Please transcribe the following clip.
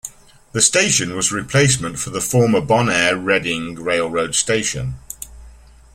The station was a replacement for the former Bonair Reading Railroad Station.